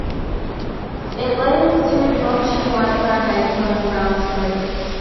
It lays two blotchy light brown eggs on a ground scrape.